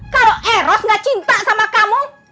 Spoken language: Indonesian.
kalau eros gak cinta sama kamu